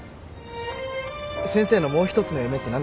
先生のもう一つの夢って何だったんだ？